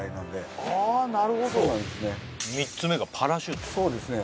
３つ目がパラシュートそうですね